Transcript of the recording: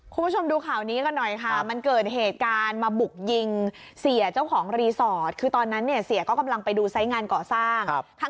คุณผู้ชมดูข่าวนี้กันหน่อยค่ะมันเกิดเหตุการณ์มาบุกยิงเสียเจ้าของรีสอร์ทคือตอนนั้นเนี่ยเสียก็กำลังไปดูไซส์งานก่อสร้าง